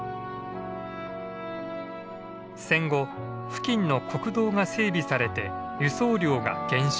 戦後付近の国道が整備されて輸送量が減少。